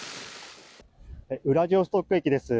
ウラジオストク駅です。